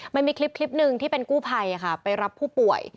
มันมีคลิปหนึ่งที่เป็นกู้ภัยไปรับผู้ป่วย